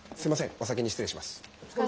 お先に失礼します。